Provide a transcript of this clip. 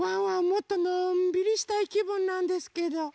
もっとのんびりしたいきぶんなんですけど。